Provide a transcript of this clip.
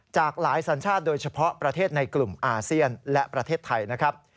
จากหลายสัญชาติโดยเฉพาะประเทศในกลุ่มอาเซียนและประเทศไทยนะครับ